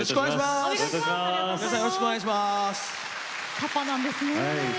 パパなんですね。